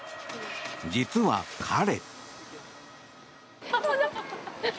実は彼。